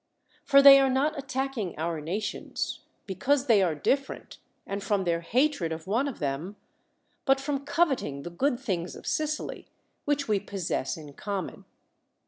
For they are not attacking our nations, because they are different, and from their hatred of one of them ; but from coveting the good things of Sicily, which we possess in cominon.